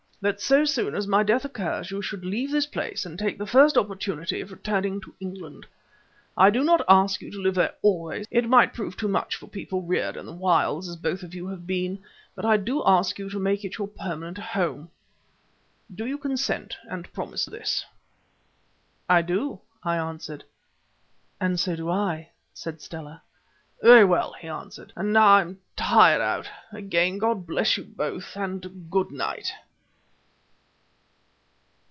That so soon as my death occurs you should leave this place and take the first opportunity of returning to England. I do not ask you to live there always; it might prove too much for people reared in the wilds, as both of you have been; but I do ask you to make it your permanent home. Do you consent and promise this?" "I do," I answered. "And so do I," said Stella. "Very well," he answered; "and now I am tired out. Again God bless you both, and good night."